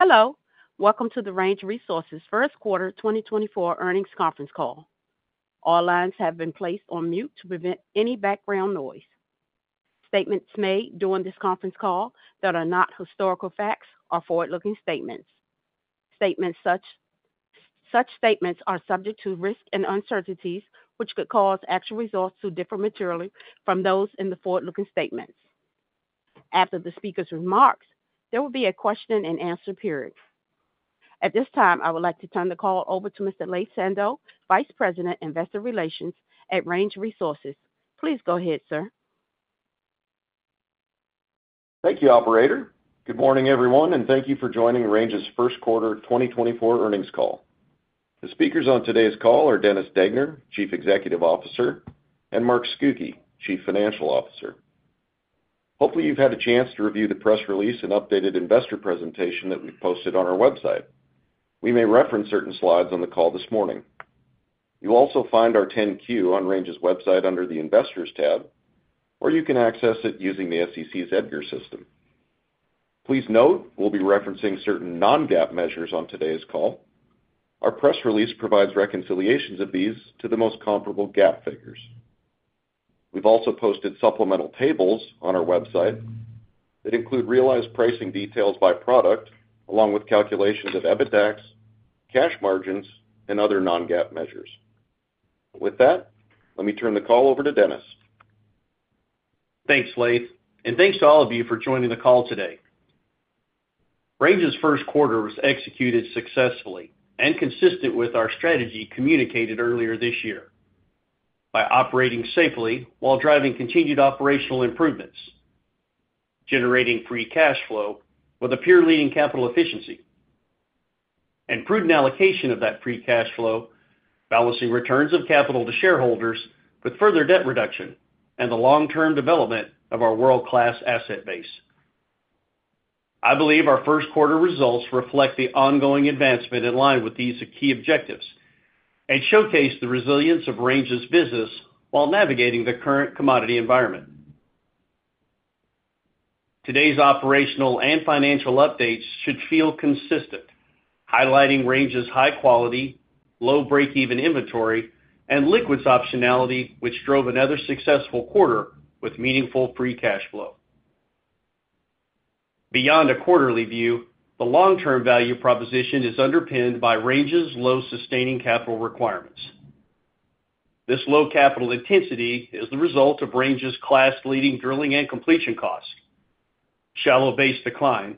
Hello, welcome to the Range Resources first quarter 2024 earnings conference call. All lines have been placed on mute to prevent any background noise. Statements made during this conference call that are not historical facts are forward-looking statements. Such statements are subject to risks and uncertainties, which could cause actual results to differ materially from those in the forward-looking statements. After the speaker's remarks, there will be a question-and-answer period. At this time, I would like to turn the call over to Mr. Laith Sando, Vice President, Investor Relations at Range Resources. Please go ahead, sir. Thank you, operator. Good morning, everyone, and thank you for joining Range's first quarter 2024 earnings call. The speakers on today's call are Dennis Degner, Chief Executive Officer, and Mark Scucchi, Chief Financial Officer. Hopefully, you've had a chance to review the press release and updated investor presentation that we've posted on our website. We may reference certain slides on the call this morning. You'll also find our 10-Q on Range's website under the Investors tab, or you can access it using the SEC's EDGAR system. Please note, we'll be referencing certain non-GAAP measures on today's call. Our press release provides reconciliations of these to the most comparable GAAP figures. We've also posted supplemental tables on our website that include realized pricing details by product, along with calculations of EBITDAX, cash margins, and other non-GAAP measures. With that, let me turn the call over to Dennis. Thanks, Laith, and thanks to all of you for joining the call today. Range's first quarter was executed successfully and consistent with our strategy communicated earlier this year by operating safely while driving continued operational improvements, generating free cash flow with a peer-leading capital efficiency and prudent allocation of that free cash flow, balancing returns of capital to shareholders with further debt reduction and the long-term development of our world-class asset base. I believe our first quarter results reflect the ongoing advancement in line with these key objectives and showcase the resilience of Range's business while navigating the current commodity environment. Today's operational and financial updates should feel consistent, highlighting Range's high quality, low breakeven inventory, and liquids optionality, which drove another successful quarter with meaningful free cash flow. Beyond a quarterly view, the long-term value proposition is underpinned by Range's low sustaining capital requirements. This low capital intensity is the result of Range's class-leading drilling and completion costs, shallow base decline,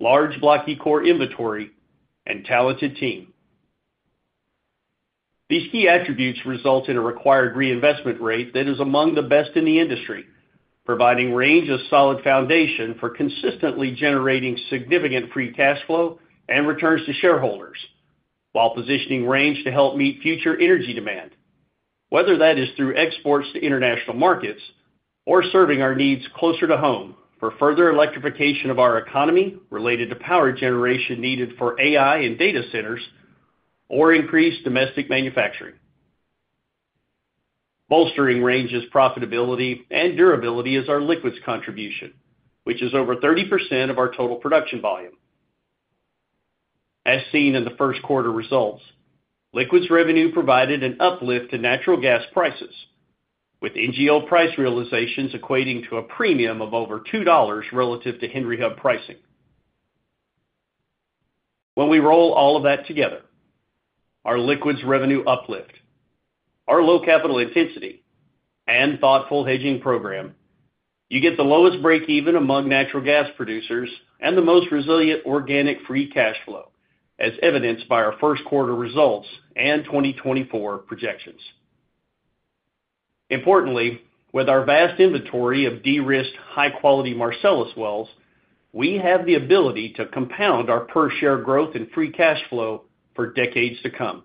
large block E core inventory, and talented team. These key attributes result in a required reinvestment rate that is among the best in the industry, providing Range a solid foundation for consistently generating significant free cash flow and returns to shareholders, while positioning Range to help meet future energy demand, whether that is through exports to international markets or serving our needs closer to home for further electrification of our economy related to power generation needed for AI and data centers or increased domestic manufacturing. Bolstering Range's profitability and durability is our liquids contribution, which is over 30% of our total production volume. As seen in the first quarter results, liquids revenue provided an uplift to natural gas prices, with NGL price realizations equating to a premium of over $2 relative to Henry Hub pricing. When we roll all of that together, our liquids revenue uplift, our low capital intensity, and thoughtful hedging program, you get the lowest breakeven among natural gas producers and the most resilient organic free cash flow, as evidenced by our first quarter results and 2024 projections. Importantly, with our vast inventory of de-risked, high-quality Marcellus wells, we have the ability to compound our per share growth and free cash flow for decades to come.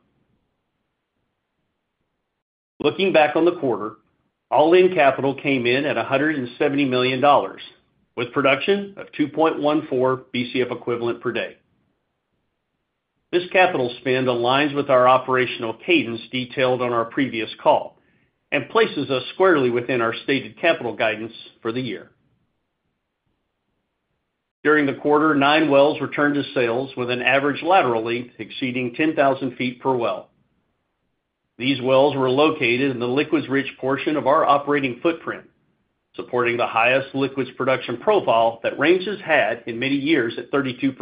Looking back on the quarter, all-in capital came in at $170 million, with production of 2.14 BCF equivalent per day. This capital spend aligns with our operational cadence detailed on our previous call and places us squarely within our stated capital guidance for the year. During the quarter, 9 wells returned to sales with an average laterally exceeding 10,000 feet per well. These wells were located in the liquids-rich portion of our operating footprint, supporting the highest liquids production profile that Range has had in many years at 32%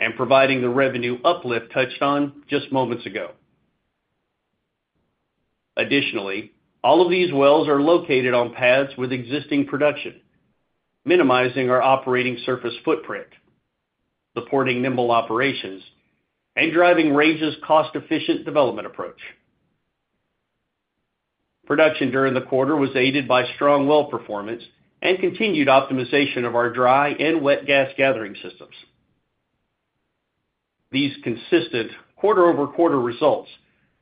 and providing the revenue uplift touched on just moments ago. Additionally, all of these wells are located on pads with existing production, minimizing our operating surface footprint, supporting nimble operations, and driving Range's cost-efficient development approach. Production during the quarter was aided by strong well performance and continued optimization of our dry and wet gas gathering systems. These consistent quarter-over-quarter results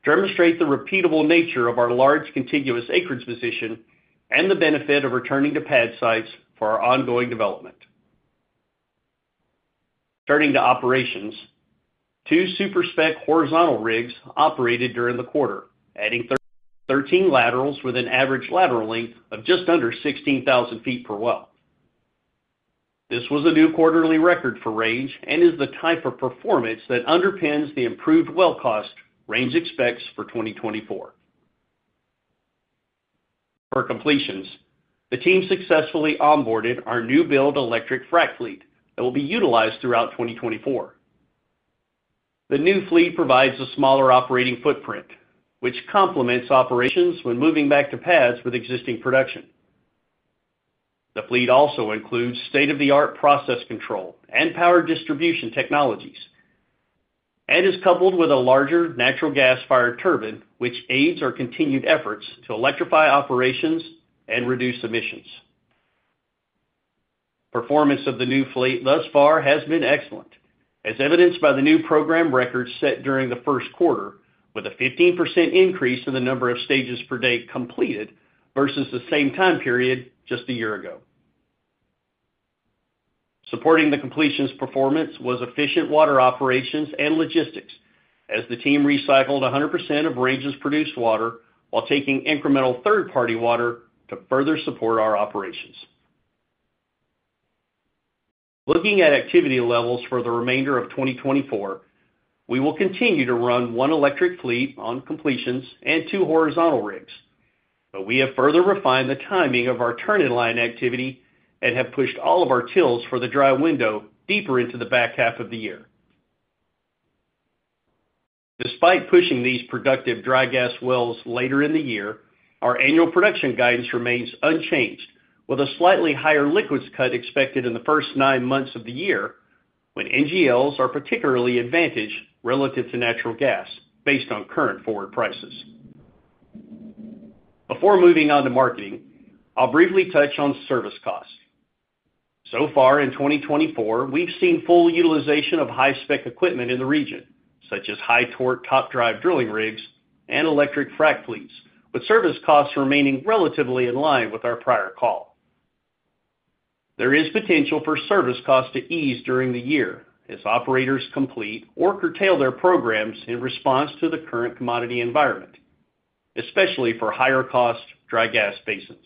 demonstrate the repeatable nature of our large, contiguous acreage position and the benefit of returning to pad sites for our ongoing development. Turning to operations. To super spec horizontal rigs operated during the quarter, adding 13 laterals with an average lateral length of just under 16,000 feet per well. This was a new quarterly record for Range and is the type of performance that underpins the improved well cost Range expects for 2024. For completions, the team successfully onboarded our new build electric frack fleet that will be utilized throughout 2024. The new fleet provides a smaller operating footprint, which complements operations when moving back to pads with existing production. The fleet also includes state-of-the-art process control and power distribution technologies, and is coupled with a larger natural gas-fired turbine, which aids our continued efforts to electrify operations and reduce emissions. Performance of the new fleet thus far has been excellent, as evidenced by the new program records set during the first quarter, with a 15% increase in the number of stages per day completed versus the same time period just a year ago. Supporting the completions performance was efficient water operations and logistics, as the team recycled 100% of Range's produced water while taking incremental third-party water to further support our operations. Looking at activity levels for the remainder of 2024, we will continue to run 1 electric fleet on completions and 2 horizontal rigs, but we have further refined the timing of our turn-in-line activity and have pushed all of our TILs for the dry window deeper into the back half of the year. Despite pushing these productive dry gas wells later in the year, our annual production guidance remains unchanged, with a slightly higher liquids cut expected in the first nine months of the year, when NGLs are particularly advantaged relative to natural gas based on current forward prices. Before moving on to marketing, I'll briefly touch on service costs. So far in 2024, we've seen full utilization of high-spec equipment in the region, such as high-torque, top-drive drilling rigs and electric frack fleets, with service costs remaining relatively in line with our prior call. There is potential for service costs to ease during the year as operators complete or curtail their programs in response to the current commodity environment, especially for higher-cost dry gas basins.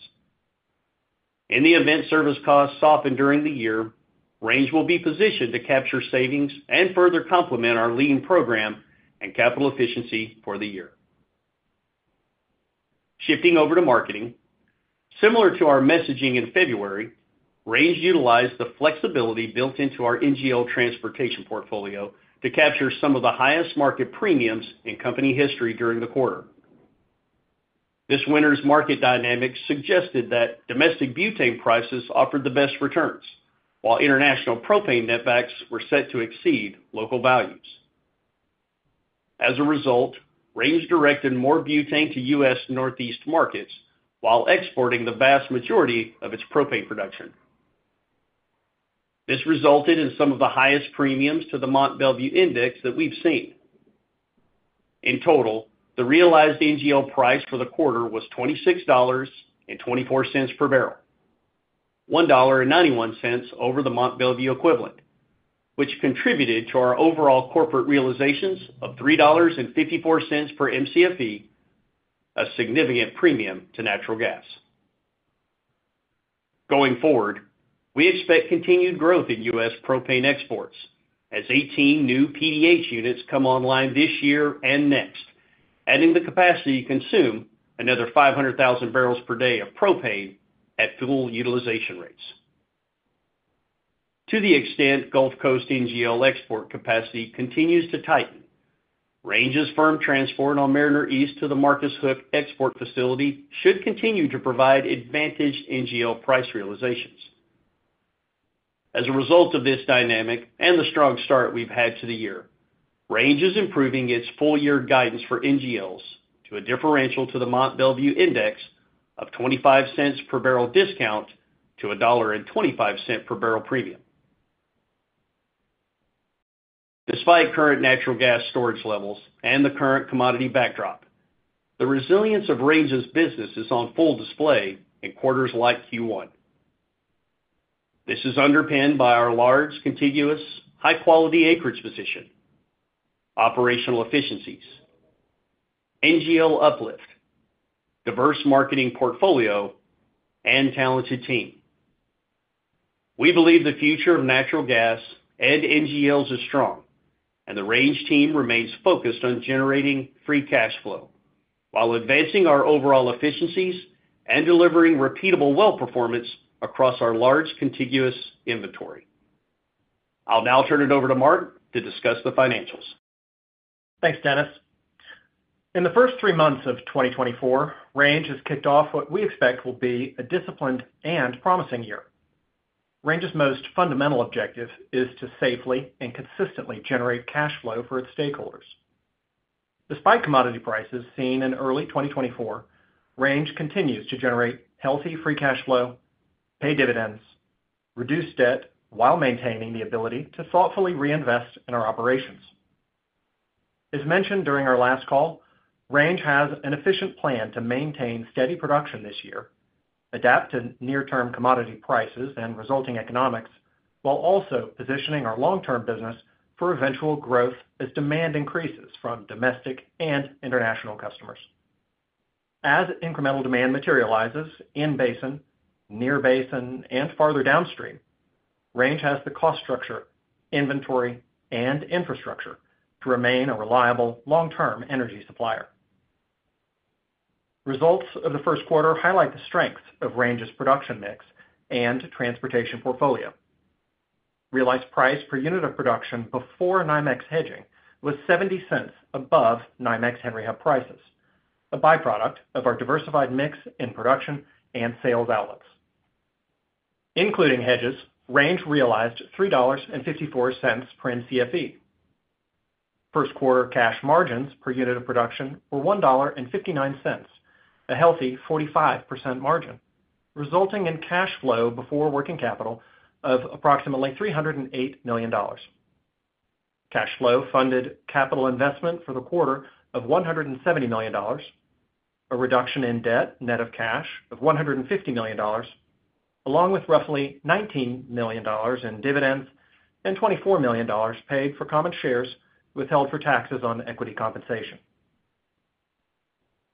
In the event service costs soften during the year, Range will be positioned to capture savings and further complement our lean program and capital efficiency for the year. Shifting over to marketing. Similar to our messaging in February, Range utilized the flexibility built into our NGL transportation portfolio to capture some of the highest market premiums in company history during the quarter. This winter's market dynamics suggested that domestic butane prices offered the best returns, while international propane netbacks were set to exceed local values. As a result, Range directed more butane to U.S. Northeast markets while exporting the vast majority of its propane production. This resulted in some of the highest premiums to the Mont Belvieu Index that we've seen. In total, the realized NGL price for the quarter was $26.24 per barrel, $1.91 over the Mont Belvieu equivalent, which contributed to our overall corporate realizations of $3.54 per Mcfe, a significant premium to natural gas. Going forward, we expect continued growth in U.S. propane exports as 18 new PDH units come online this year and next, adding the capacity to consume another 500,000 barrels per day of propane at full utilization rates. To the extent Gulf Coast NGL export capacity continues to tighten, Range's firm transport on Mariner East to the Marcus Hook export facility should continue to provide advantaged NGL price realizations. As a result of this dynamic and the strong start we've had to the year, Range is improving its full year guidance for NGLs to a differential to the Mont Belvieu index of $0.25 per barrel discount to a $1.25 per barrel premium. Despite current natural gas storage levels and the current commodity backdrop, the resilience of Range's business is on full display in quarters like Q1. This is underpinned by our large, contiguous, high-quality acreage position, operational efficiencies, NGL uplift, diverse marketing portfolio, and talented team. We believe the future of natural gas and NGLs is strong, and the Range team remains focused on generating free cash flow while advancing our overall efficiencies and delivering repeatable well performance across our large, contiguous inventory. I'll now turn it over to Mark to discuss the financials. Thanks, Dennis. In the first three months of 2024, Range has kicked off what we expect will be a disciplined and promising year. Range's most fundamental objective is to safely and consistently generate cash flow for its stakeholders. Despite commodity prices seen in early 2024, Range continues to generate healthy free cash flow, pay dividends, reduce debt while maintaining the ability to thoughtfully reinvest in our operations. As mentioned during our last call, Range has an efficient plan to maintain steady production this year, adapt to near-term commodity prices and resulting economics, while also positioning our long-term business for eventual growth as demand increases from domestic and international customers. As incremental demand materializes in basin, near basin, and farther downstream, Range has the cost structure, inventory, and infrastructure to remain a reliable, long-term energy supplier. Results of the first quarter highlight the strengths of Range's production mix and transportation portfolio. Realized price per unit of production before NYMEX hedging was $0.70 above NYMEX Henry Hub prices, a by-product of our diversified mix in production and sales outlets. Including hedges, Range realized $3.54 per NCFE. First quarter cash margins per unit of production were $1.59, a healthy 45% margin, resulting in cash flow before working capital of approximately $308 million. Cash flow funded capital investment for the quarter of $170 million, a reduction in debt net of cash of $150 million, along with roughly $19 million in dividends and $24 million paid for common shares withheld for taxes on equity compensation.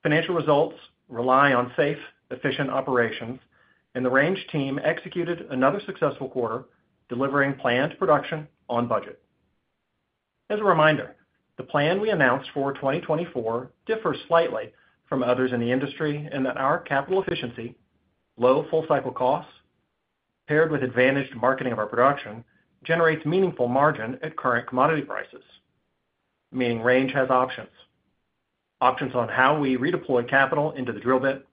Financial results rely on safe, efficient operations, and the Range team executed another successful quarter, delivering planned production on budget. As a reminder, the plan we announced for 2024 differs slightly from others in the industry in that our capital efficiency, low full cycle costs, paired with advantaged marketing of our production, generates meaningful margin at current commodity prices, meaning Range has options. Options on how we redeploy capital into the drill bit,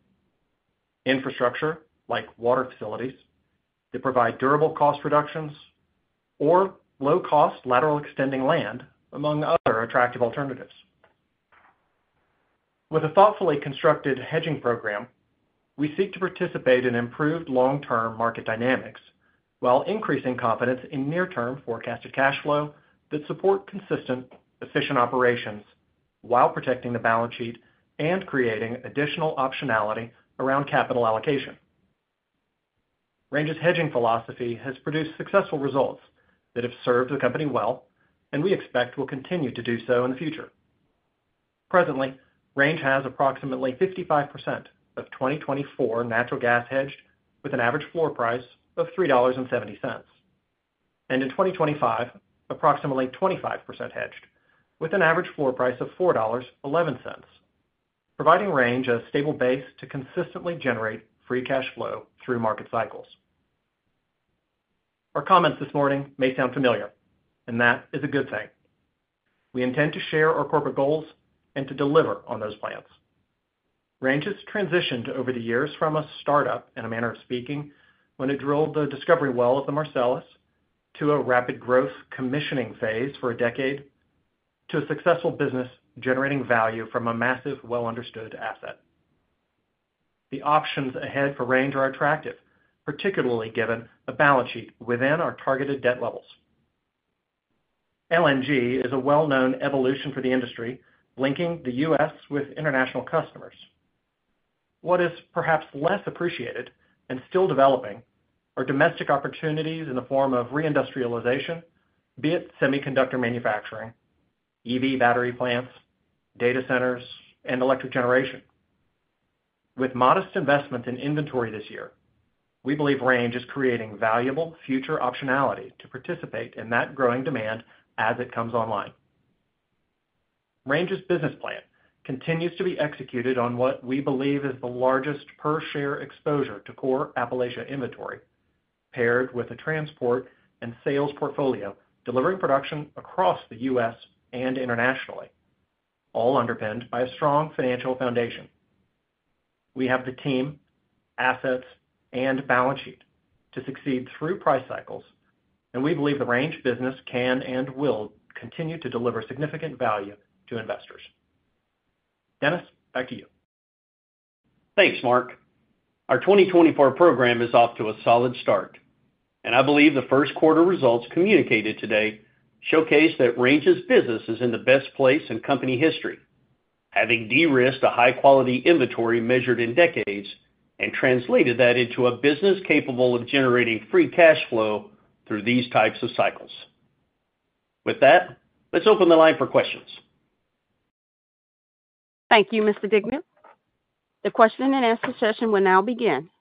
infrastructure, like water facilities, that provide durable cost reductions, or low-cost lateral extending land, among other attractive alternatives. With a thoughtfully constructed hedging program, we seek to participate in improved long-term market dynamics while increasing confidence in near-term forecasted cash flow that support consistent, efficient operations while protecting the balance sheet and creating additional optionality around capital allocation. Range's hedging philosophy has produced successful results that have served the company well, and we expect will continue to do so in the future. Presently, Range has approximately 55% of 2024 natural gas hedged with an average floor price of $3.70. In 2025, approximately 25% hedged, with an average floor price of $4.11, providing Range a stable base to consistently generate free cash flow through market cycles. Our comments this morning may sound familiar, and that is a good thing. We intend to share our corporate goals and to deliver on those plans. Range has transitioned over the years from a startup, in a manner of speaking, when it drilled the discovery well of the Marcellus, to a rapid growth commissioning phase for a decade, to a successful business generating value from a massive, well-understood asset. The options ahead for Range are attractive, particularly given the balance sheet within our targeted debt levels. LNG is a well-known evolution for the industry, linking the U.S. with international customers. What is perhaps less appreciated and still developing are domestic opportunities in the form of reindustrialization, be it semiconductor manufacturing, EV battery plants, data centers, and electric generation. With modest investment in inventory this year, we believe Range is creating valuable future optionality to participate in that growing demand as it comes online. Range's business plan continues to be executed on what we believe is the largest per share exposure to core Appalachia inventory, paired with a transport and sales portfolio, delivering production across the U.S. and internationally, all underpinned by a strong financial foundation. We have the team, assets, and balance sheet to succeed through price cycles, and we believe the Range business can and will continue to deliver significant value to investors. Dennis, back to you. Thanks, Mark. Our 2024 program is off to a solid start, and I believe the first quarter results communicated today showcase that Range's business is in the best place in company history, having de-risked a high-quality inventory measured in decades and translated that into a business capable of generating free cash flow through these types of cycles. With that, let's open the line for questions. Thank you, Mr. Degner. The question-and-answer session will now begin.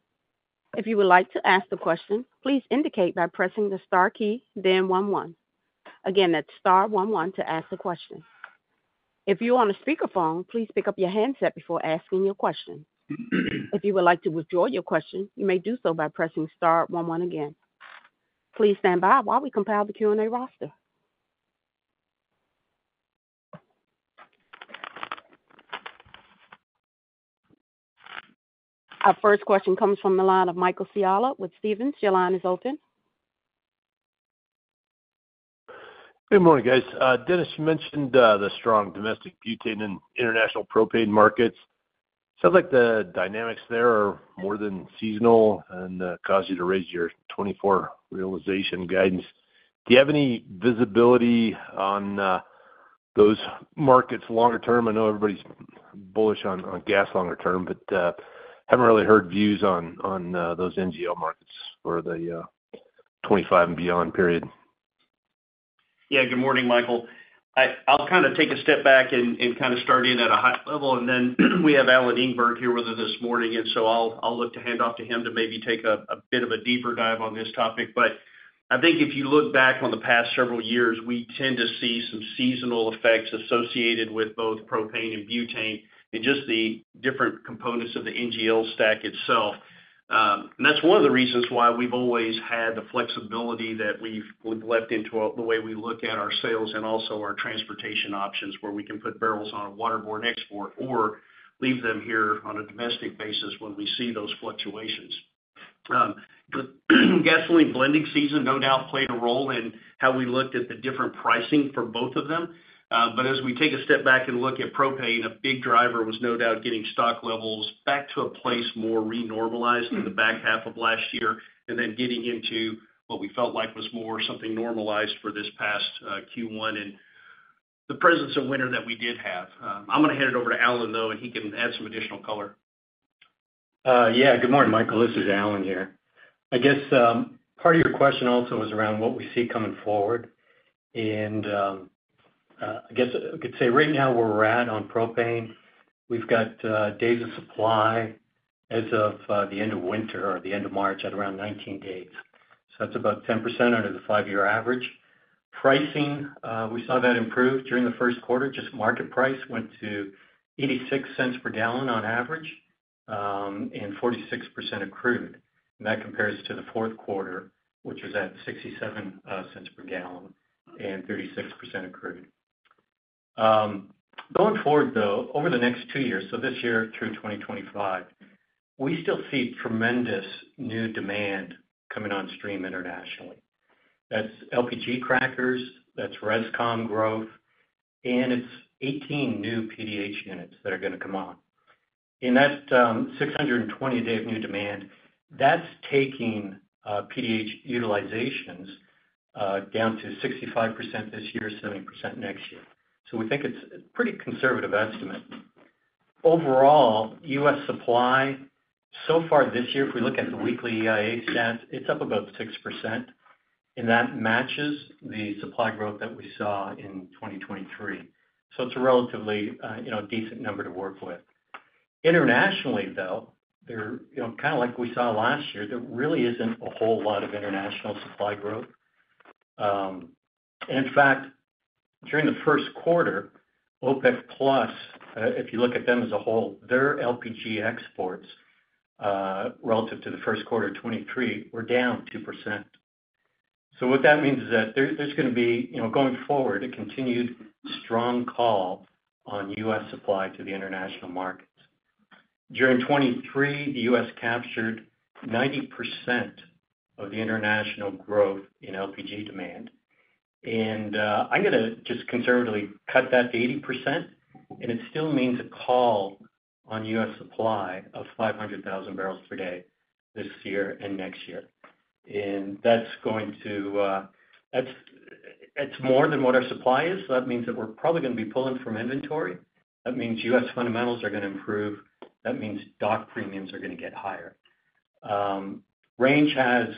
If you would like to ask a question, please indicate by pressing the star key, then one, one. Again, that's star one, one to ask a question. If you're on a speakerphone, please pick up your handset before asking your question. If you would like to withdraw your question, you may do so by pressing star one, one again. Please stand by while we compile the Q&A roster. Our first question comes from the line of Michael Scialla with Stephens. Your line is open. Good morning, guys. Dennis, you mentioned the strong domestic butane and international propane markets. Sounds like the dynamics there are more than seasonal and caused you to raise your 2024 realization guidance. Do you have any visibility on those markets longer term? I know everybody's bullish on gas longer term, but haven't really heard views on those NGL markets for the 2025 and beyond period. Yeah, good morning, Michael. I'll kind of take a step back and kind of start in at a high level, and then we have Alan Engberg here with us this morning, and so I'll look to hand off to him to maybe take a bit of a deeper dive on this topic. But I think if you look back on the past several years, we tend to see some seasonal effects associated with both propane and butane, and just the different components of the NGL stack itself. And that's one of the reasons why we've always had the flexibility that we've weaved into the way we look at our sales and also our transportation options, where we can put barrels on a waterborne export or leave them here on a domestic basis when we see those fluctuations. The gasoline blending season no doubt played a role in how we looked at the different pricing for both of them. But as we take a step back and look at propane, a big driver was no doubt getting stock levels back to a place more renormalized in the back half of last year, and then getting into what we felt like was more something normalized for this past, Q1 and the presence of winter that we did have. I'm gonna hand it over to Alan, though, and he can add some additional color. Yeah. Good morning, Michael. This is Alan here. I guess, part of your question also was around what we see coming forward. I guess I could say right now where we're at on propane, we've got days of supply as of the end of winter or the end of March at around 19 days. So that's about 10% under the five-year average. Pricing, we saw that improve during the first quarter. Just market price went to $0.86 per gallon on average, and 46% accrued. And that compares to the fourth quarter, which was at $0.67 per gallon and 36% accrued. Going forward, though, over the next two years, so this year through 2025, we still see tremendous new demand coming on stream internationally. That's LPG crackers, that's ResCom growth, and it's 18 new PDH units that are gonna come on. And that's 620-day of new demand, that's taking PDH utilizations down to 65% this year, 70% next year. So we think it's a pretty conservative estimate. Overall, U.S. supply so far this year, if we look at the weekly EIA stats, it's up about 6%, and that matches the supply growth that we saw in 2023. So it's a relatively you know, decent number to work with. Internationally, though, you know, kind of like we saw last year, there really isn't a whole lot of international supply growth. In fact, during the first quarter, OPEC Plus, if you look at them as a whole, their LPG exports relative to the first quarter of 2023 were down 2%. So what that means is that there, there's gonna be, you know, going forward, a continued strong call on U.S. supply to the international markets. During 2023, the U.S. captured 90% of the international growth in LPG demand. And, I'm gonna just conservatively cut that to 80%, and it still means a call on U.S. supply of 500,000 barrels per day this year and next year. And that's going to... That's, it's more than what our supply is, so that means that we're probably gonna be pulling from inventory. That means U.S. fundamentals are gonna improve. That means dock premiums are gonna get higher. Range has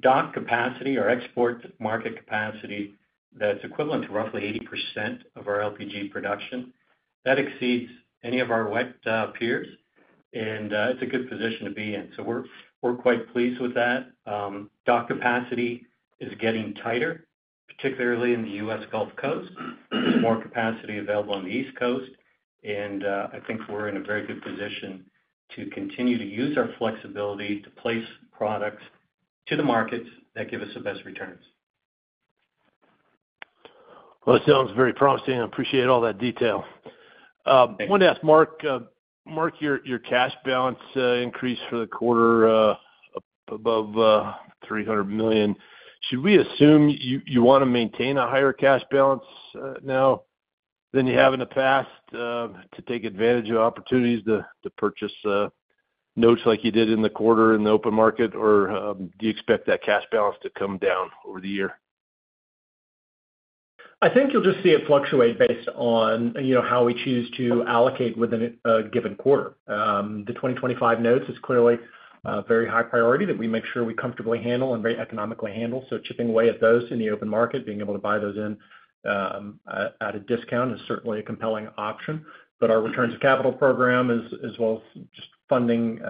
dock capacity or export market capacity that's equivalent to roughly 80% of our LPG production. That exceeds any of our wet peers, and it's a good position to be in. So we're quite pleased with that. Dock capacity is getting tighter, particularly in the U.S. Gulf Coast. There's more capacity available on the East Coast, and I think we're in a very good position to continue to use our flexibility to place products to the markets that give us the best returns. Well, that sounds very promising. I appreciate all that detail. Thank you. Wanted to ask Mark, your cash balance increase for the quarter above $300 million. Should we assume you wanna maintain a higher cash balance now than you have in the past to take advantage of opportunities to purchase notes like you did in the quarter in the open market? Or, do you expect that cash balance to come down over the year? I think you'll just see it fluctuate based on, you know, how we choose to allocate within a given quarter. The 2025 notes is clearly very high priority that we make sure we comfortably handle and very economically handle. So chipping away at those in the open market, being able to buy those in at a discount is certainly a compelling option. But our returns to capital program, as well as just funding,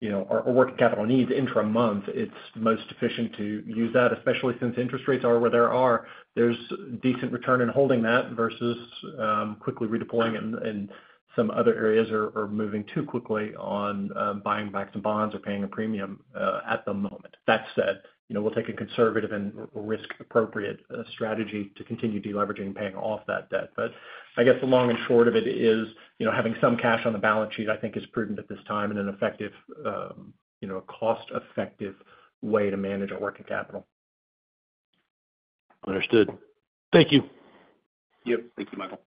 you know, our working capital needs intra-month, it's most efficient to use that, especially since interest rates are where they are. There's decent return in holding that versus quickly redeploying in some other areas or moving too quickly on buying back some bonds or paying a premium at the moment. That said, you know, we'll take a conservative and risk-appropriate strategy to continue deleveraging and paying off that debt. But I guess the long and short of it is, you know, having some cash on the balance sheet, I think, is prudent at this time and an effective, you know, a cost-effective way to manage our working capital. ...Understood. Thank you. Yep. Thank you, Michael.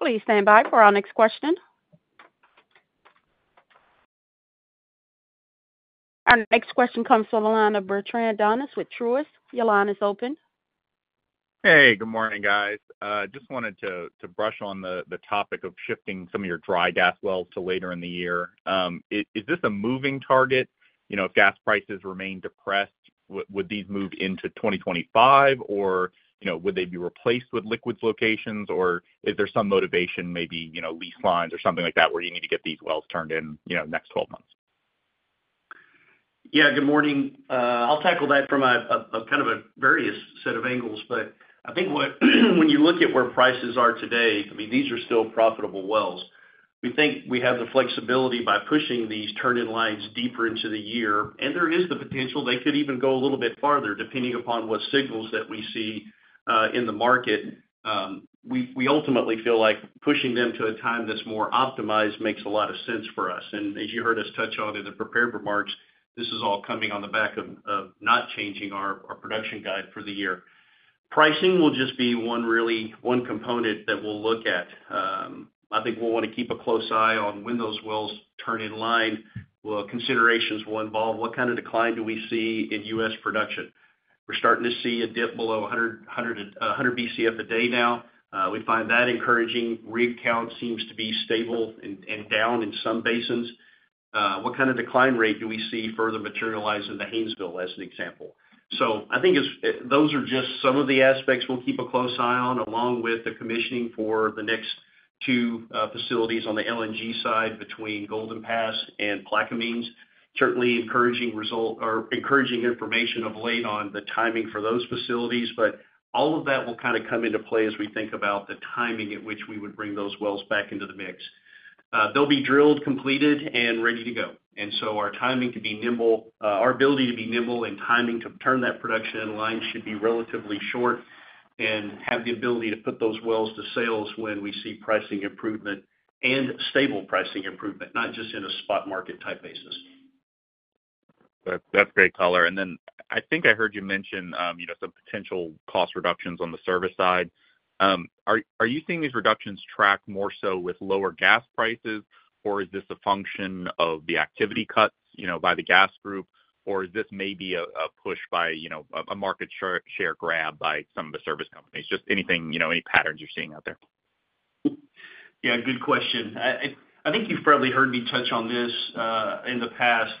Please stand by for our next question. Our next question comes from the line of Bertrand Donnes with Truist. Your line is open. Hey, good morning, guys. Just wanted to brush on the topic of shifting some of your dry gas wells to later in the year. Is this a moving target? You know, if gas prices remain depressed, would these move into 2025, or, you know, would they be replaced with liquids locations, or is there some motivation, maybe, you know, lease lines or something like that, where you need to get these wells turned in, you know, next 12 months? Yeah, good morning. I'll tackle that from a kind of various set of angles. But I think what, when you look at where prices are today, I mean, these are still profitable wells. We think we have the flexibility by pushing these turn-in lines deeper into the year, and there is the potential they could even go a little bit farther, depending upon what signals that we see in the market. We ultimately feel like pushing them to a time that's more optimized makes a lot of sense for us. And as you heard us touch on in the prepared remarks, this is all coming on the back of not changing our production guide for the year. Pricing will just be one component that we'll look at. I think we'll want to keep a close eye on when those wells turn in line. Well, considerations will involve what kind of decline do we see in U.S. production? We're starting to see a dip below 100 BCF a day now. We find that encouraging. Rig count seems to be stable and down in some basins. What kind of decline rate do we see further materialize in the Haynesville, as an example? So I think those are just some of the aspects we'll keep a close eye on, along with the commissioning for the next two facilities on the LNG side between Golden Pass and Plaquemines. Certainly encouraging result or encouraging information of late on the timing for those facilities, but all of that will kind of come into play as we think about the timing at which we would bring those wells back into the mix. They'll be drilled, completed, and ready to go, and so our timing to be nimble, our ability to be nimble and timing to turn that production in line should be relatively short, and have the ability to put those wells to sales when we see pricing improvement and stable pricing improvement, not just in a spot market type basis. That's great color. And then I think I heard you mention, you know, some potential cost reductions on the service side. Are you seeing these reductions track more so with lower gas prices, or is this a function of the activity cuts, you know, by the gas group, or is this maybe a push by, you know, a market share grab by some of the service companies? Just anything, you know, any patterns you're seeing out there. Yeah, good question. I think you've probably heard me touch on this in the past,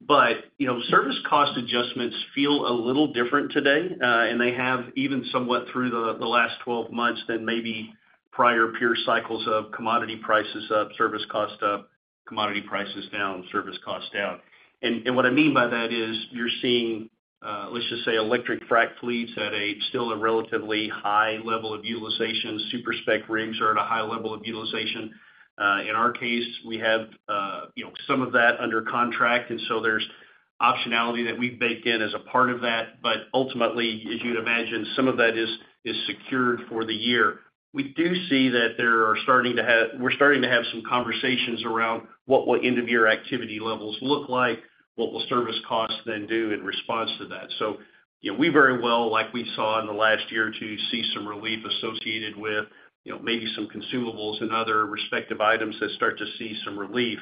but you know, service cost adjustments feel a little different today, and they have even somewhat through the last 12 months than maybe prior pure cycles of commodity prices up, service cost up, commodity prices down, service costs down. And what I mean by that is, you're seeing, let's just say, electric frack fleets at a still relatively high level of utilization. To super spec rigs are at a high level of utilization. In our case, we have you know, some of that under contract, and so there's optionality that we bake in as a part of that. But ultimately, as you'd imagine, some of that is secured for the year. We do see that we're starting to have some conversations around what will end-of-year activity levels look like? What will service costs then do in response to that? So, you know, we very well, like we saw in the last year or two, see some relief associated with, you know, maybe some consumables and other respective items that start to see some relief,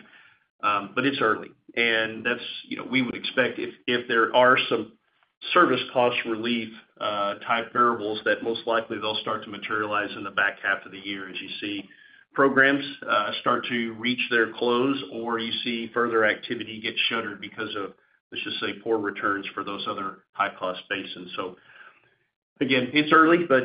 but it's early. And that's, you know, we would expect if there are some service cost relief type variables, that most likely they'll start to materialize in the back half of the year, as you see programs start to reach their close, or you see further activity get shuttered because of, let's just say, poor returns for those other high-cost basins. So again, it's early, but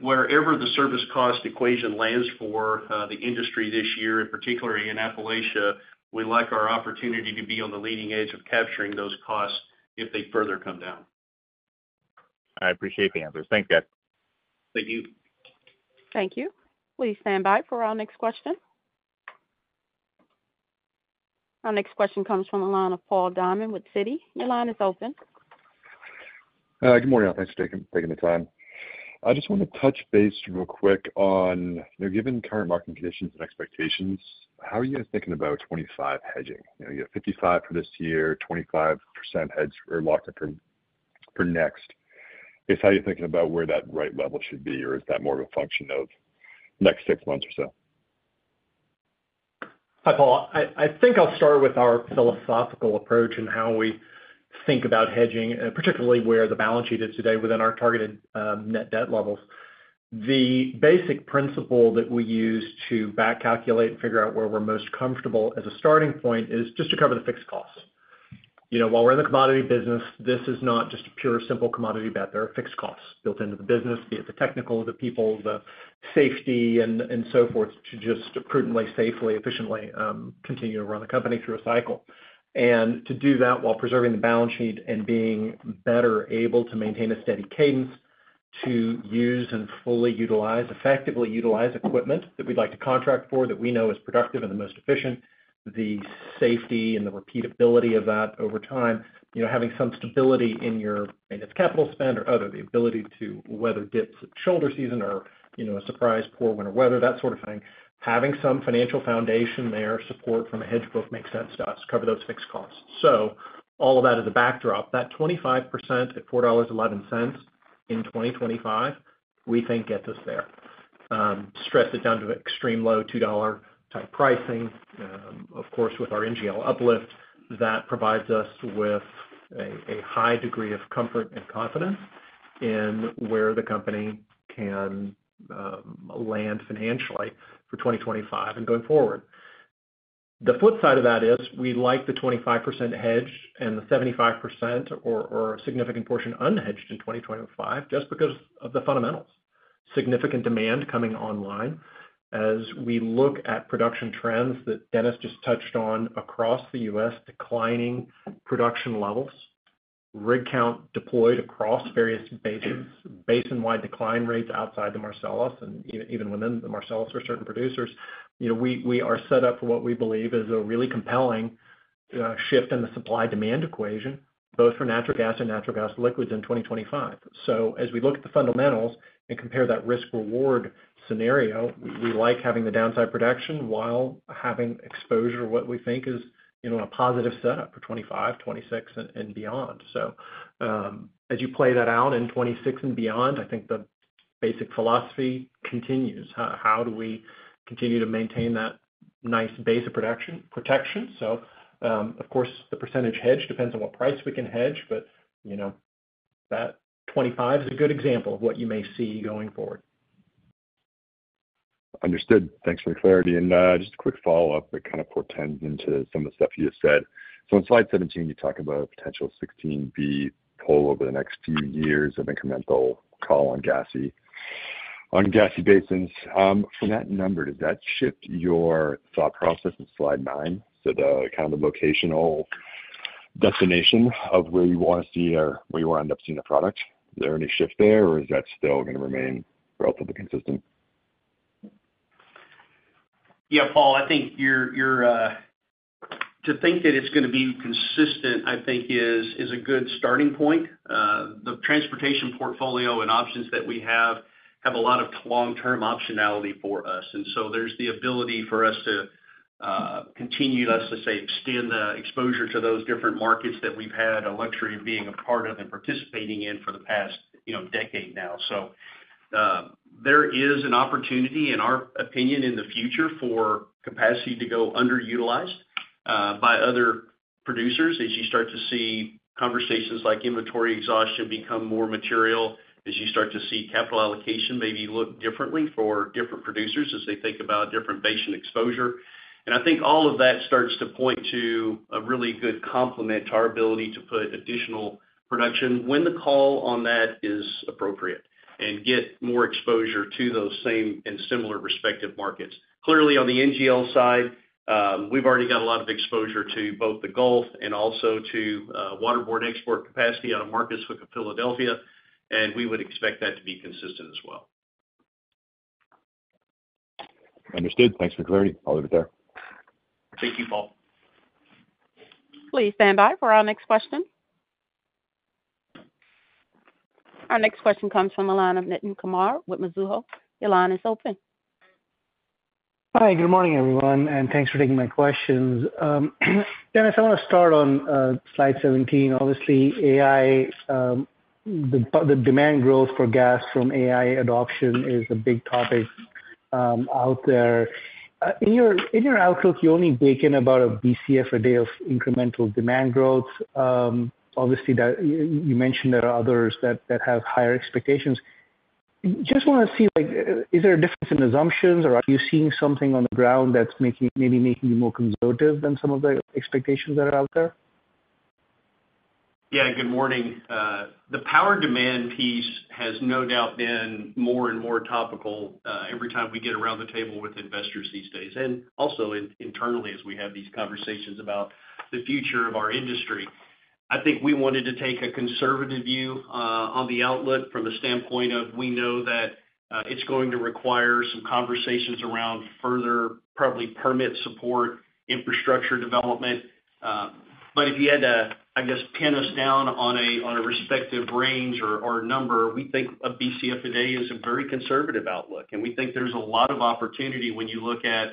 wherever the service cost equation lands for the industry this year, and particularly in Appalachia, we like our opportunity to be on the leading edge of capturing those costs if they further come down. I appreciate the answers. Thanks, guys. Thank you. Thank you. Please stand by for our next question. Our next question comes from the line of Paul Diamond with Citi. Your line is open. Good morning, y'all. Thanks for taking the time. I just wanted to touch base real quick on, you know, given current market conditions and expectations, how are you guys thinking about 2025 hedging? You know, you have 55% for this year, 25% hedged or locked up for next. Just how are you thinking about where that right level should be, or is that more of a function of next six months or so? Hi, Paul. I think I'll start with our philosophical approach and how we think about hedging, particularly where the balance sheet is today within our targeted net debt levels. The basic principle that we use to back calculate and figure out where we're most comfortable as a starting point is just to cover the fixed costs. You know, while we're in the commodity business, this is not just a pure simple commodity bet. There are fixed costs built into the business, be it the technical, the people, the safety, and so forth, to just prudently, safely, efficiently continue to run the company through a cycle. And to do that while preserving the balance sheet and being better able to maintain a steady cadence, to use and fully utilize, effectively utilize equipment that we'd like to contract for, that we know is productive and the most efficient, the safety and the repeatability of that over time. You know, having some stability in your, and its capital spend or other, the ability to weather dips at shoulder season or, you know, a surprise poor winter weather, that sort of thing. Having some financial foundation there, support from a hedge book makes sense to us, cover those fixed costs. So all of that is a backdrop. That 25% at $4.11 in 2025, we think gets us there.... stress it down to an extreme low, $2-type pricing. Of course, with our NGL uplift, that provides us with a high degree of comfort and confidence in where the company can land financially for 2025 and going forward. The flip side of that is, we like the 25% hedge and the 75% or significant portion unhedged in 2025, just because of the fundamentals. Significant demand coming online. As we look at production trends that Dennis just touched on across the U.S., declining production levels, rig count deployed across various basins, basin-wide decline rates outside the Marcellus, and even within the Marcellus for certain producers. You know, we are set up for what we believe is a really compelling shift in the supply-demand equation, both for natural gas and natural gas liquids in 2025. So as we look at the fundamentals and compare that risk-reward scenario, we like having the downside protection while having exposure to what we think is, you know, a positive setup for 2025, 2026, and beyond. So, as you play that out in 2026 and beyond, I think the basic philosophy continues. How do we continue to maintain that nice base of production—protection? So, of course, the percentage hedge depends on what price we can hedge, but, you know, that 2025 is a good example of what you may see going forward. Understood. Thanks for the clarity. And just a quick follow-up that kind of portends into some of the stuff you just said. So in slide 17, you talk about a potential 16 B toe over the next few years of incremental call on gassy, on gassy basins. From that number, does that shift your thought process in slide 9 to the kind of the locational destination of where you want to see or where you end up seeing the product? Is there any shift there, or is that still going to remain relatively consistent? Yeah, Paul, I think you're to think that it's going to be consistent, I think is a good starting point. The transportation portfolio and options that we have a lot of long-term optionality for us. And so there's the ability for us to continue, let's just say, extend the exposure to those different markets that we've had a luxury of being a part of and participating in for the past, you know, decade now. So, there is an opportunity, in our opinion, in the future for capacity to go underutilized by other producers as you start to see conversations like inventory exhaustion become more material, as you start to see capital allocation maybe look differently for different producers as they think about different basin exposure. I think all of that starts to point to a really good complement to our ability to put additional production when the call on that is appropriate, and get more exposure to those same and similar respective markets. Clearly, on the NGL side, we've already got a lot of exposure to both the Gulf and also to waterborne export capacity out of Marcus Hook of Philadelphia, and we would expect that to be consistent as well. Understood. Thanks for the clarity. I'll leave it there. Thank you, Paul. Please stand by for our next question. Our next question comes from the line of Nitin Kumar with Mizuho. Your line is open. Hi, good morning, everyone, and thanks for taking my questions. Dennis, I want to start on slide 17. Obviously, AI, the demand growth for gas from AI adoption is a big topic out there. In your outlook, you only bake in about a BCF a day of incremental demand growth. Obviously, that you mentioned there are others that have higher expectations. Just want to see, like, is there a difference in assumptions, or are you seeing something on the ground that's making maybe making you more conservative than some of the expectations that are out there? Yeah, good morning. The power demand piece has no doubt been more and more topical every time we get around the table with investors these days, and also internally as we have these conversations about the future of our industry. I think we wanted to take a conservative view on the outlet from the standpoint of, we know that it's going to require some conversations around further, probably permit support, infrastructure development. But if you had to, I guess, pin us down on a, on a respective range or, or number, we think a BCF a day is a very conservative outlook, and we think there's a lot of opportunity when you look at...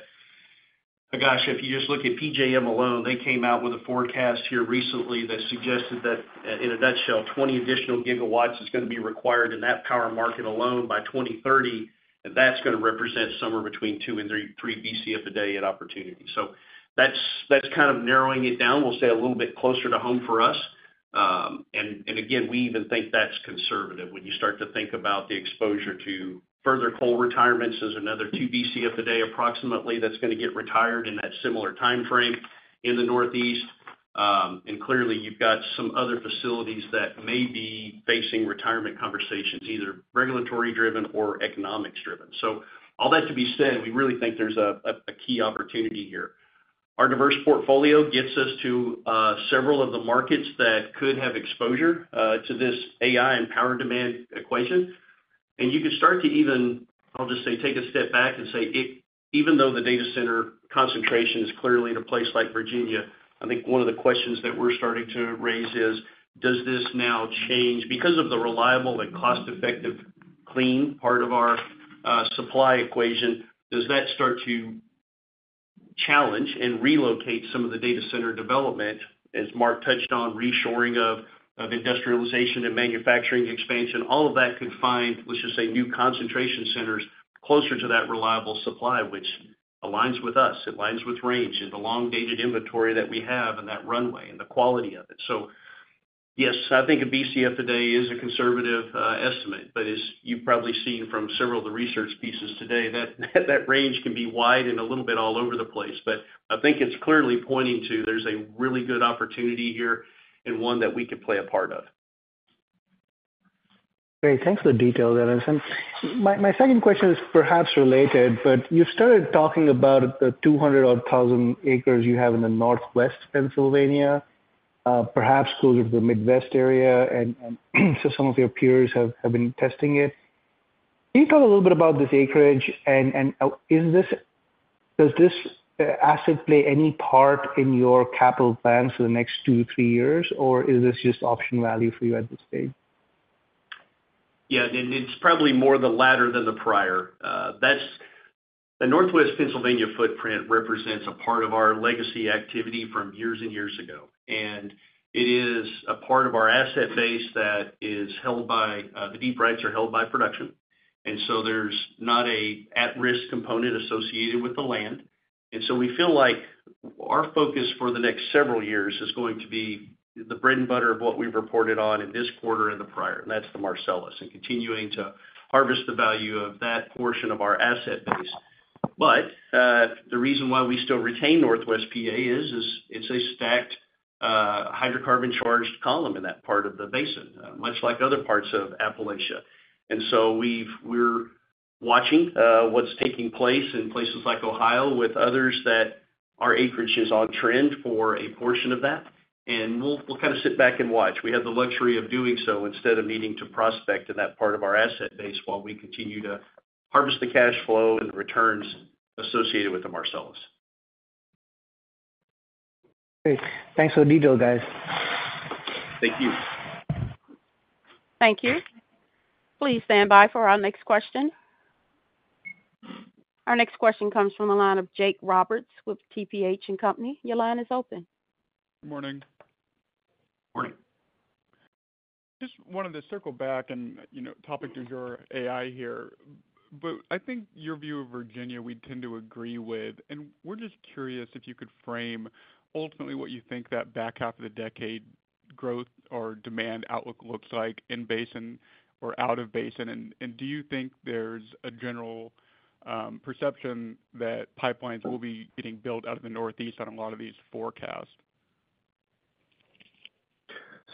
Gosh, if you just look at PJM alone, they came out with a forecast here recently that suggested that, in a nutshell, 20 GW is going to be required in that power market alone by 2030, and that's going to represent somewhere between 2 and 3 BCF a day at opportunity. So that's kind of narrowing it down. We'll stay a little bit closer to home for us. And again, we even think that's conservative. When you start to think about the exposure to further coal retirements, there's another 2 BCF a day, approximately, that's going to get retired in that similar timeframe in the Northeast. And clearly, you've got some other facilities that may be facing retirement conversations, either regulatory driven or economics driven. So all that to be said, we really think there's a key opportunity here. Our diverse portfolio gets us to several of the markets that could have exposure to this AI and power demand equation. And you can start to even, I'll just say, take a step back and say, even though the data center concentration is clearly in a place like Virginia, I think one of the questions that we're starting to raise is, does this now change? Because of the reliable and cost-effective, clean part of our supply equation, does that start to challenge and relocate some of the data center development, as Mark touched on, reshoring of industrialization and manufacturing expansion, all of that could find, let's just say, new concentration centers closer to that reliable supply, which aligns with us. It aligns with Range and the long-dated inventory that we have and that runway and the quality of it. So yes, I think a BCF today is a conservative estimate, but as you've probably seen from several of the research pieces today, that that range can be wide and a little bit all over the place. But I think it's clearly pointing to there's a really good opportunity here and one that we can play a part of. Great. Thanks for the detail, Dennis. And my, my second question is perhaps related, but you started talking about the 200,000 acres you have in the Northeast Pennsylvania, perhaps closer to the Midwest area, and so some of your peers have been testing it. Can you talk a little bit about this acreage? And, is this—does this asset play any part in your capital plans for the next 2-3 years, or is this just option value for you at this stage? Yeah, it, it's probably more the latter than the prior. That's the Northeast Pennsylvania footprint represents a part of our legacy activity from years and years ago, and it is a part of our asset base that is held by, the deep rights are held by production, and so there's not an at-risk component associated with the land. And so we feel like our focus for the next several years is going to be the bread and butter of what we've reported on in this quarter and the prior, and that's the Marcellus, and continuing to harvest the value of that portion of our asset base. But, the reason why we still retain Northeast PA is it's a stacked hydrocarbon-charged column in that part of the basin, much like other parts of Appalachia. And so we're watching what's taking place in places like Ohio with others that our acreage is on trend for a portion of that, and we'll, we'll kind of sit back and watch. We have the luxury of doing so instead of needing to prospect in that part of our asset base while we continue to harvest the cash flow and the returns associated with the Marcellus. Great. Thanks for the detail, guys. Thank you. Thank you. Please stand by for our next question. Our next question comes from the line of Jake Roberts with TPH & Company. Your line is open. Morning. Morning. Just wanted to circle back and, you know, talk to your IR here. But I think your view of Virginia, we tend to agree with, and we're just curious if you could frame ultimately what you think that back half of the decade growth or demand outlook looks like in-basin or out-of-basin. And do you think there's a general perception that pipelines will be getting built out of the Northeast on a lot of these forecasts?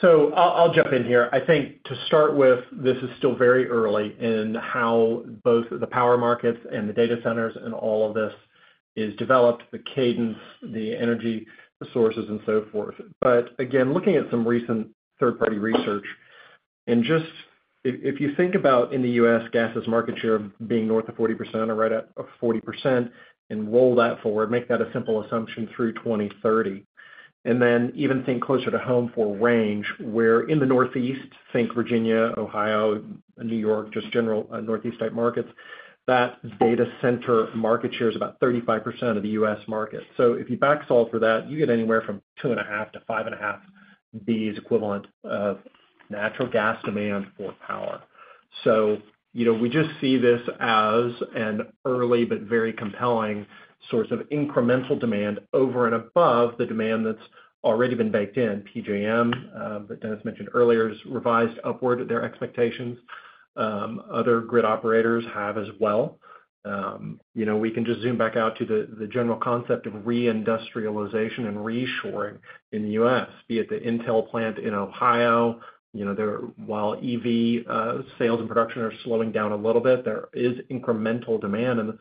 So I'll, I'll jump in here. I think to start with, this is still very early in how both the power markets and the data centers and all of this is developed, the cadence, the energy sources, and so forth. But again, looking at some recent third-party research, and just if you think about in the U.S., gas's market share being north of 40% or right at 40%, and roll that forward, make that a simple assumption through 2030. And then even think closer to home for Range, where in the Northeast, think Virginia, Ohio, New York, just general, Northeast-type markets, that data center market share is about 35% of the U.S. market. So if you back solve for that, you get anywhere from 2.5-5.5 Bcf equivalent of natural gas demand for power. So, you know, we just see this as an early but very compelling source of incremental demand over and above the demand that's already been baked in. PJM, that Dennis mentioned earlier, has revised upward their expectations. Other grid operators have as well. You know, we can just zoom back out to the general concept of reindustrialization and reshoring in the U.S., be it the Intel plant in Ohio. You know, there, while EV sales and production are slowing down a little bit, there is incremental demand in the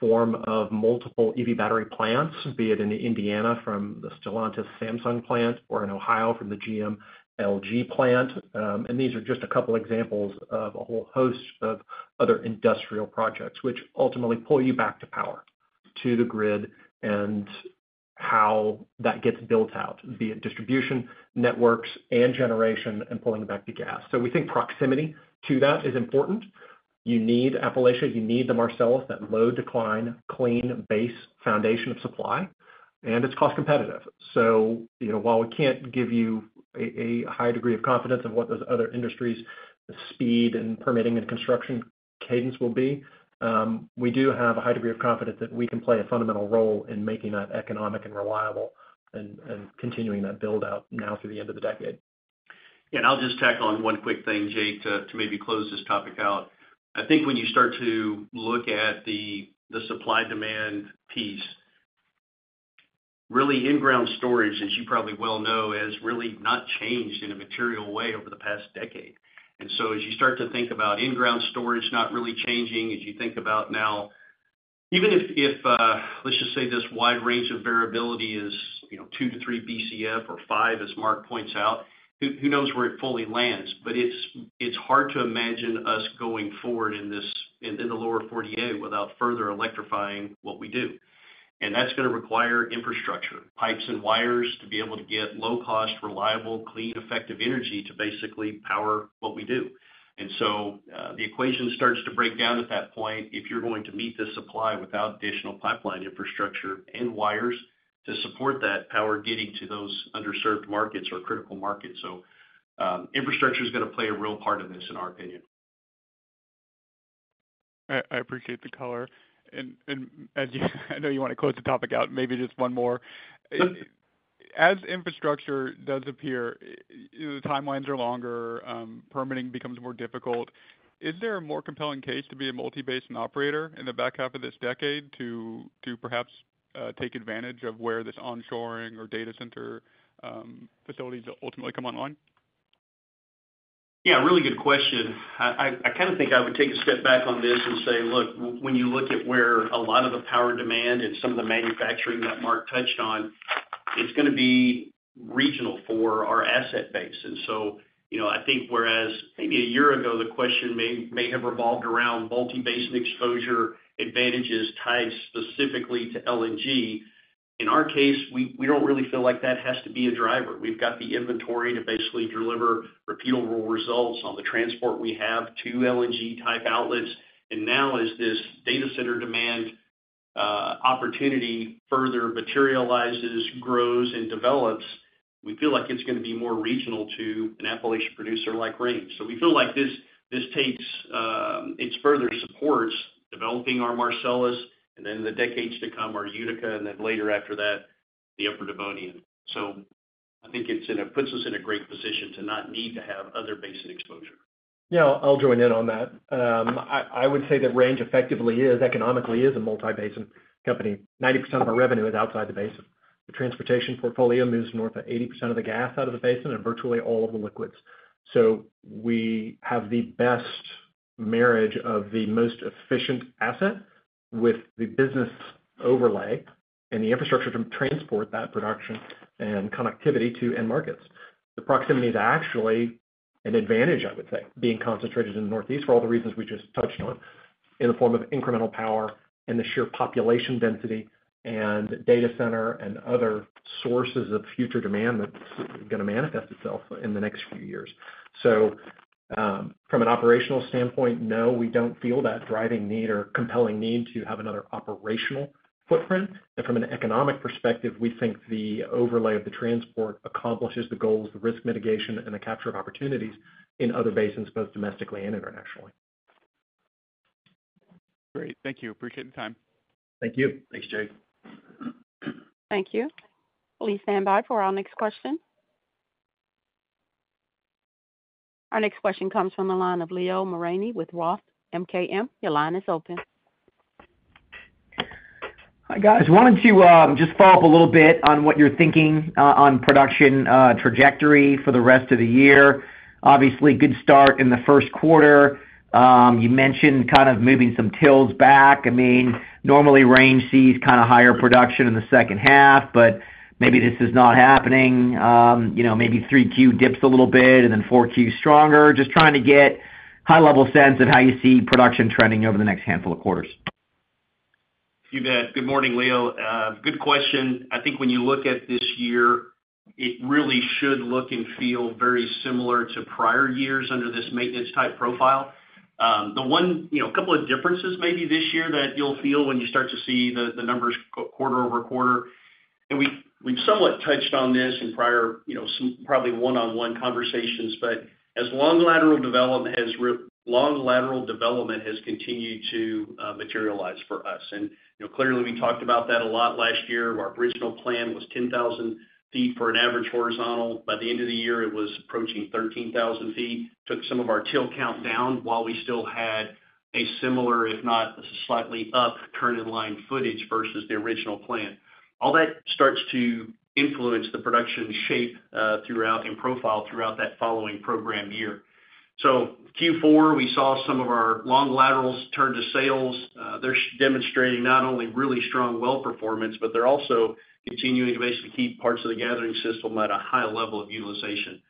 form of multiple EV battery plants, be it in Indiana from the Stellantis Samsung plant or in Ohio from the GM LG plant. And these are just a couple examples of a whole host of other industrial projects, which ultimately pull you back to power, to the grid, and how that gets built out, be it distribution, networks, and generation, and pulling it back to gas. So we think proximity to that is important. You need Appalachia, you need the Marcellus, that low-decline, clean base foundation of supply, and it's cost competitive. So, you know, while we can't give you a, a high degree of confidence of what those other industries' speed and permitting and construction cadence will be, we do have a high degree of confidence that we can play a fundamental role in making that economic and reliable and, and continuing that build-out now through the end of the decade. And I'll just tack on one quick thing, Jake, to maybe close this topic out. I think when you start to look at the supply-demand piece, really, in-ground storage, as you probably well know, has really not changed in a material way over the past decade. And so as you start to think about in-ground storage not really changing, as you think about now—even if, if, let's just say this wide range of variability is, you know, 2-3 BCF or 5, as Mark points out, who knows where it fully lands? But it's hard to imagine us going forward in this—in the lower 40A without further electrifying what we do. And that's gonna require infrastructure, pipes and wires, to be able to get low-cost, reliable, clean, effective energy to basically power what we do. And so, the equation starts to break down at that point if you're going to meet the supply without additional pipeline infrastructure and wires... to support that power getting to those underserved markets or critical markets. So, infrastructure is going to play a real part in this, in our opinion. I appreciate the color. And I know you want to close the topic out, maybe just one more. As infrastructure does appear, the timelines are longer, permitting becomes more difficult, is there a more compelling case to be a multi-basin operator in the back half of this decade to perhaps take advantage of where this onshoring or data center facilities ultimately come online? Yeah, really good question. I kind of think I would take a step back on this and say, look, when you look at where a lot of the power demand and some of the manufacturing that Mark touched on, it's going to be regional for our asset base. And so, you know, I think whereas maybe a year ago, the question may have revolved around multi-basin exposure advantages tied specifically to LNG. In our case, we don't really feel like that has to be a driver. We've got the inventory to basically deliver repeatable results on the transport we have to LNG-type outlets. And now, as this data center demand opportunity further materializes, grows, and develops, we feel like it's going to be more regional to an Appalachian producer like Range. So we feel like this takes it further supports developing our Marcellus, and then in the decades to come, our Utica, and then later after that, the Upper Devonian. So I think it puts us in a great position to not need to have other basin exposure. Yeah, I'll join in on that. I would say that Range effectively is, economically is a multi-basin company. 90% of our revenue is outside the basin. The transportation portfolio moves north of 80% of the gas out of the basin and virtually all of the liquids. So we have the best marriage of the most efficient asset with the business overlay and the infrastructure to transport that production and connectivity to end markets. The proximity is actually an advantage, I would say, being concentrated in the Northeast for all the reasons we just touched on, in the form of incremental power and the sheer population density and data center and other sources of future demand that's going to manifest itself in the next few years. So, from an operational standpoint, no, we don't feel that driving need or compelling need to have another operational footprint. But from an economic perspective, we think the overlay of the transport accomplishes the goals, the risk mitigation, and the capture of opportunities in other basins, both domestically and internationally. Great. Thank you. Appreciate the time. Thank you. Thanks, Jake. Thank you. Please stand by for our next question. Our next question comes from the line of Leo Mariani with Roth MKM. Your line is open. Hi, guys. Wanted to just follow up a little bit on what you're thinking on production trajectory for the rest of the year. Obviously, good start in the first quarter. You mentioned kind of moving some TILs back. I mean, normally, Range sees kind of higher production in the second half, but maybe this is not happening. You know, maybe 3Q dips a little bit and then 4Q stronger. Just trying to get high-level sense of how you see production trending over the next handful of quarters. You bet. Good morning, Leo. Good question. I think when you look at this year, it really should look and feel very similar to prior years under this maintenance-type profile. You know, a couple of differences maybe this year that you'll feel when you start to see the numbers quarter-over-quarter, and we've somewhat touched on this in prior, you know, some probably one-on-one conversations, but as long lateral development has continued to materialize for us. You know, clearly, we talked about that a lot last year. Our original plan was 10,000 feet for an average horizontal. By the end of the year, it was approaching 13,000 feet. Took some of our till count down while we still had a similar, if not slightly up, turn in line footage versus the original plan. All that starts to influence the production shape throughout and profile throughout that following program year. So Q4, we saw some of our long laterals turn to sales. They're demonstrating not only really strong well performance, but they're also continuing to basically keep parts of the gathering system at a high level of utilization.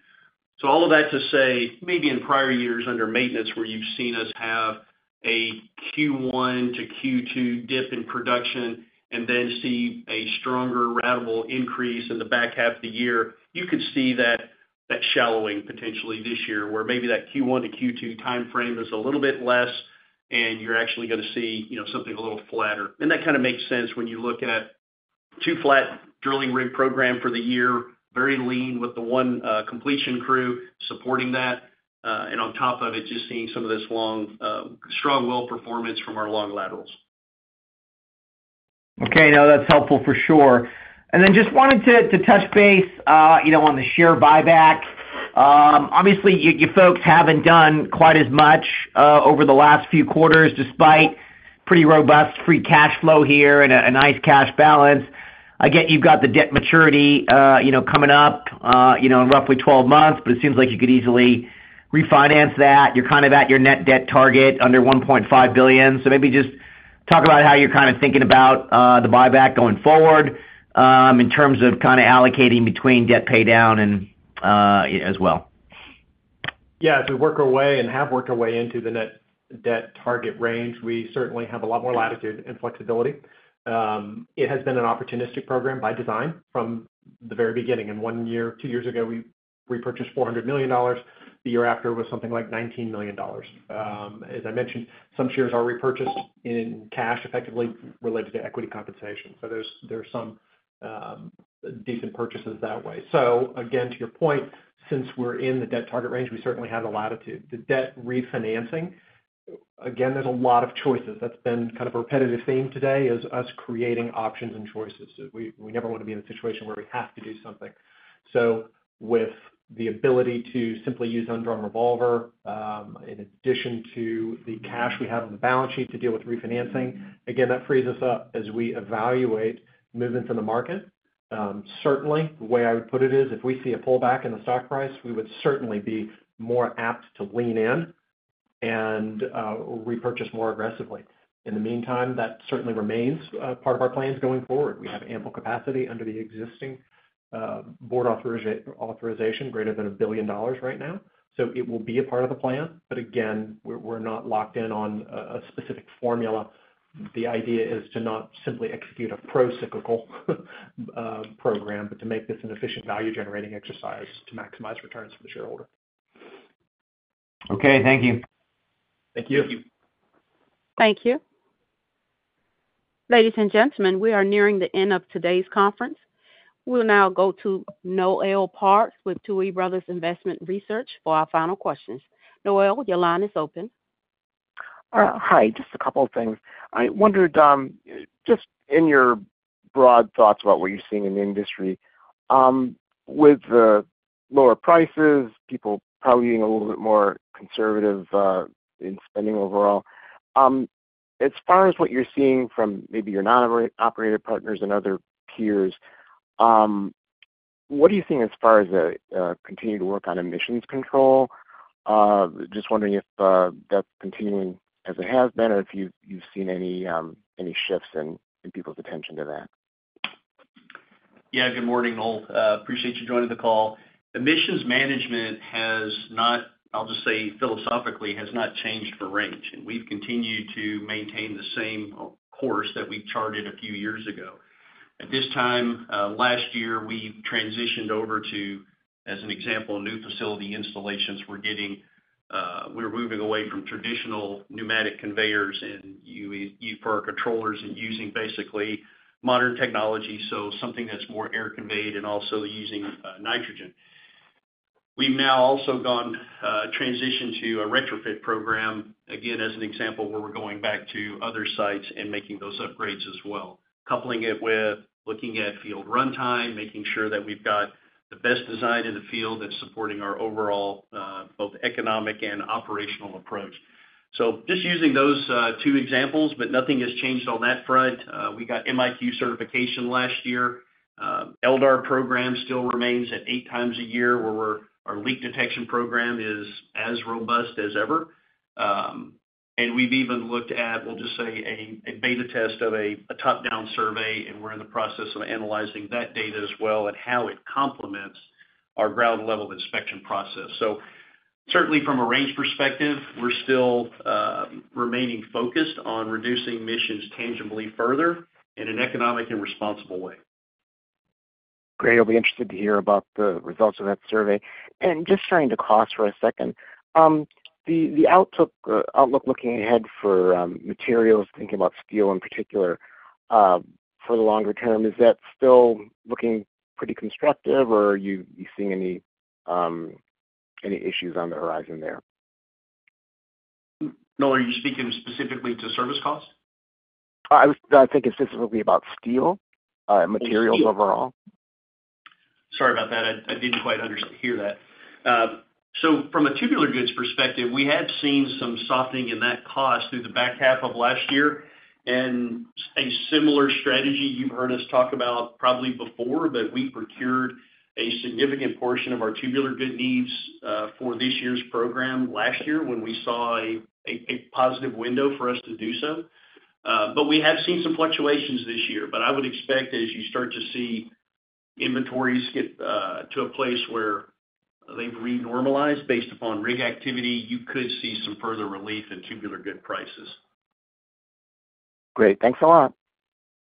So all of that to say, maybe in prior years under maintenance, where you've seen us have a Q1 to Q2 dip in production and then see a stronger ratable increase in the back half of the year, you could see that, that shallowing potentially this year, where maybe that Q1 to Q2 timeframe is a little bit less, and you're actually going to see, you know, something a little flatter. That kind of makes sense when you look at 2 flat drilling rig program for the year, very lean with the 1 completion crew supporting that, and on top of it, just seeing some of this long, strong well performance from our long laterals. Okay, now that's helpful for sure. And then just wanted to touch base, you know, on the share buyback. Obviously, you folks haven't done quite as much over the last few quarters, despite pretty robust free cash flow here and a nice cash balance. I get you've got the debt maturity, you know, coming up, you know, in roughly 12 months, but it seems like you could easily refinance that. You're kind of at your net debt target under $1.5 billion. So maybe just talk about how you're kind of thinking about the buyback going forward in terms of kind of allocating between debt paydown and as well. Yeah, as we work our way and have worked our way into the net debt target range, we certainly have a lot more latitude and flexibility. It has been an opportunistic program by design from the very beginning, and one year, two years ago, we- ...repurchased $400 million. The year after was something like $19 million. As I mentioned, some shares are repurchased in cash, effectively related to equity compensation. So there's some decent purchases that way. So again, to your point, since we're in the debt target range, we certainly have the latitude. The debt refinancing, again, there's a lot of choices. That's been kind of a repetitive theme today, is us creating options and choices. So we never wanna be in a situation where we have to do something. So with the ability to simply use undrawn revolver, in addition to the cash we have on the balance sheet to deal with refinancing, again, that frees us up as we evaluate movements in the market. Certainly, the way I would put it is, if we see a pullback in the stock price, we would certainly be more apt to lean in and repurchase more aggressively. In the meantime, that certainly remains part of our plans going forward. We have ample capacity under the existing board authorization, greater than $1 billion right now. So it will be a part of the plan, but again, we're not locked in on a specific formula. The idea is to not simply execute a procyclical program, but to make this an efficient value-generating exercise to maximize returns for the shareholder. Okay, thank you. Thank you. Thank you. Ladies and gentlemen, we are nearing the end of today's conference. We'll now go to Noel Parks with Tuohy Brothers Investment Research for our final questions. Noel, your line is open. Hi, just a couple of things. I wondered, just in your broad thoughts about what you're seeing in the industry, with the lower prices, people probably being a little bit more conservative, in spending overall. As far as what you're seeing from maybe your non-operator partners and other peers, what do you see as far as the continued work on emissions control? Just wondering if that's continuing as it has been, or if you've seen any shifts in people's attention to that. Yeah, good morning, Noel. Appreciate you joining the call. Emissions management has not, I'll just say, philosophically, has not changed for Range, and we've continued to maintain the same course that we charted a few years ago. At this time last year, we transitioned over to, as an example, new facility installations. We're getting, we're moving away from traditional pneumatic conveyors and UE, E for our controllers, and using basically modern technology, so something that's more air conveyed and also using nitrogen. We've now also gone, transitioned to a retrofit program, again, as an example, where we're going back to other sites and making those upgrades as well. Coupling it with looking at field runtime, making sure that we've got the best design in the field that's supporting our overall both economic and operational approach. So just using those two examples, but nothing has changed on that front. We got MIQ Certification last year. LDAR program still remains at eight times a year, where we're, our leak detection program is as robust as ever. And we've even looked at, we'll just say, a beta test of a top-down survey, and we're in the process of analyzing that data as well, and how it complements our ground-level inspection process. So certainly from a Range perspective, we're still remaining focused on reducing emissions tangibly further in an economic and responsible way. Great. I'll be interested to hear about the results of that survey. Just turning to cost for a second. The outlook looking ahead for materials, thinking about steel in particular, for the longer term, is that still looking pretty constructive, or are you seeing any issues on the horizon there? Noel, are you speaking specifically to service costs? I think specifically about steel, and materials overall. Sorry about that. I didn't quite hear that. So from a tubular goods perspective, we had seen some softening in that cost through the back half of last year. And a similar strategy you've heard us talk about probably before, but we procured a significant portion of our tubular good needs for this year's program last year when we saw a positive window for us to do so. But we have seen some fluctuations this year, but I would expect that as you start to see inventories get to a place where they've re-normalized, based upon rig activity, you could see some further relief in tubular good prices. Great. Thanks a lot.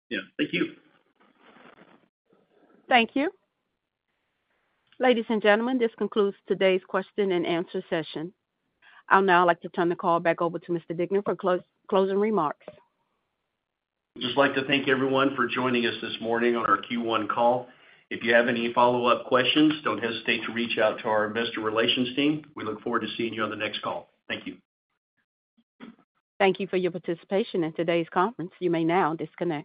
Yeah, thank you. Thank you. Ladies and gentlemen, this concludes today's question-and-answer session. I'll now like to turn the call back over to Mr. Degner for closing remarks. Just like to thank everyone for joining us this morning on our Q1 call. If you have any follow-up questions, don't hesitate to reach out to our investor relations team. We look forward to seeing you on the next call. Thank you. Thank you for your participation in today's conference. You may now disconnect.